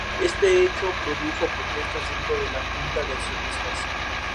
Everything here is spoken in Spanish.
Este hecho produjo protestas dentro de la Junta de Accionistas.